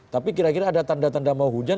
tapi kira kira ada tanda tanda mau hujan